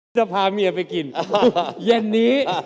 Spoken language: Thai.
หยุดยนย์จะพาเมียไปกินเย็นนี้